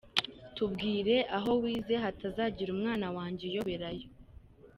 Tubwire aho wize hatazagira umwana wanjye uyoberayo.